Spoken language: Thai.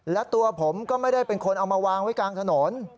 และตัวผมก็ไม่ได้เป็นคนเอามาวางไว้กลางถนน